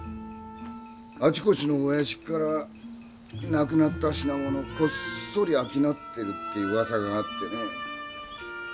あちこちのお屋敷からなくなった品物こっそり商ってるって噂があってね。